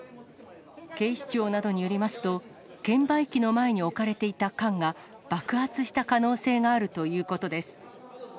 警視庁などによりますと、券売機の前に置かれていた缶が、爆発した可能性があるということです。